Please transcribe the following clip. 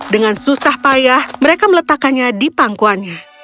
dengan susah payah mereka meletakkannya di pangkuannya